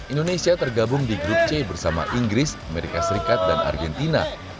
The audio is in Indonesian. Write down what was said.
indonesia tergabung di grup c bersama inggris amerika serikat dan argentina